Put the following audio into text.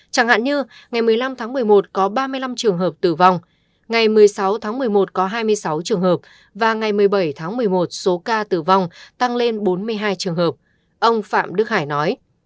chẳng hạn như ngày một mươi năm tháng một mươi một có ba mươi năm trường hợp tử vong ngày một mươi sáu tháng một mươi một có hai mươi sáu trường hợp và ngày một mươi bảy tháng một mươi một số ca tử vong tăng lên bốn mươi hai trường hợp ông phạm đức hải nói